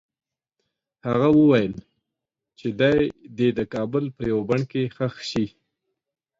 هغه وویل چې دی دې د کابل په یوه بڼ کې ښخ شي.